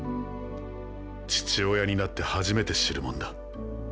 父親になって初めて知るもんだ。